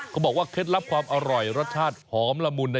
เคล็ดลับความอร่อยรสชาติหอมละมุน